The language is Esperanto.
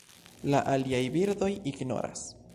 La aliaj birdoj ignoras.